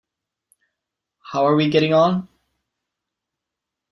How are we getting on?.